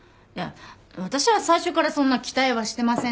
私は最初からそんな期待はしてませんでした。